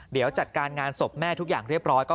เดี๋ยวจัดการงานศพแม่ทุกอย่างเรียบร้อย